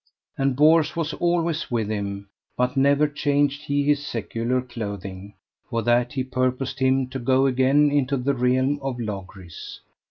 And Bors was alway with him, but never changed he his secular clothing, for that he purposed him to go again into the realm of Logris.